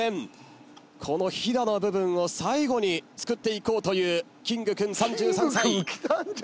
このヒダの部分を最後に作っていこうというキングくん３３歳。